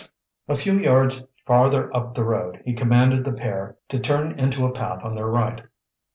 A few yards farther up the road he commanded the pair to turn into a path on their right.